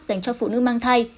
dành cho phụ nữ mang thai